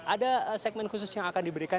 ada segmen khusus yang akan diberikan